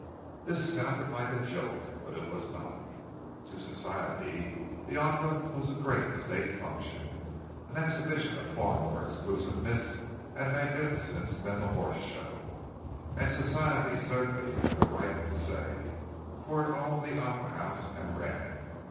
This sounded like a joke, but it was not. To Society the Opera was a great state function, an exhibition of far more exclusiveness and magnificence than the Horse Show; and Society certainly had the right to say, for it owned the opera house and ran it.